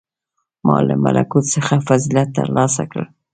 • ما له ملکوت څخه فضیلت تر لاسه کړ.